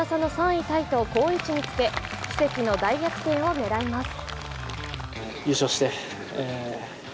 ３位タイと好位置につけ奇跡の大逆転を狙います。